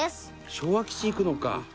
昭和基地行くのか。